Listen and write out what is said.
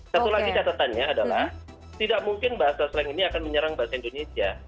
satu lagi catatannya adalah tidak mungkin bahasa slang ini akan menyerang bahasa indonesia